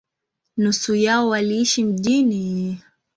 Nusu yao waliishi mjini.